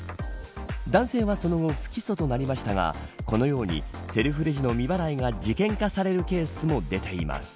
男性はその後不起訴となりましたがこのようにセルフレジの未払いが事件化されるケースも出ています。